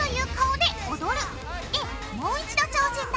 でもう一度挑戦だ！